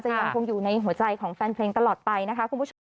ยังคงอยู่ในหัวใจของแฟนเพลงตลอดไปนะคะคุณผู้ชม